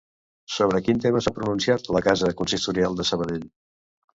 Sobre quin tema s'ha pronunciat la casa consistorial de Sabadell?